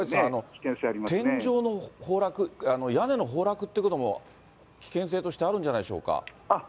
坂口さん、天井の崩落、屋根の崩落っていうことも、危険性としてあるんじゃないでしょう